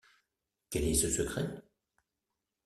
Quel est ce secret ?